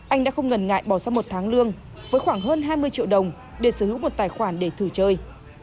anh đã không ngần ngại bỏ ra một tháng lương với khoảng hơn hai mươi triệu đồng để sở hữu một tài khoản để thử chơi